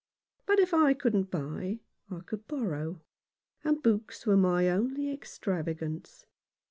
But if I couldn't buy I could borrow, and books were my only extravagance.